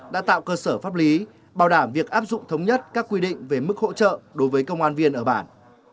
đã tạo cơ sở pháp lý bảo đảm việc áp dụng thống nhất các quy định về mức hỗ trợ đối với công an viên ở bản